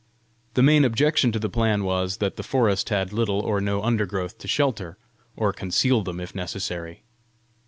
The main objection to the plan was, that the forest had little or no undergrowth to shelter or conceal them if necessary.